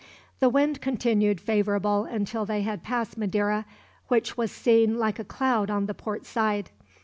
The wind continued favorable until they had passed Madeira, which was seen like a cloud on the port side.